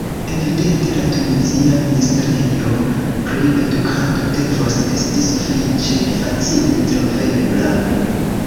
Evidente la Tunizia ministrejo pri edukado devos esti sufiĉe facile trovebla.